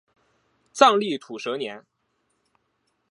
藏历土蛇年。